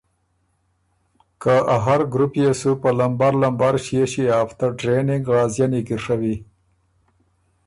که ا هر ګروپ يې سُو په لمبر لمبر ݭيې ݭيې هفته ټرېننګ غازيَنی کی ڒوی۔